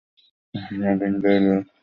হাসপাতালে ভিনগাঁয়ের লোক বসিয়া ছিল।